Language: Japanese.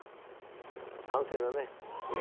完成だね。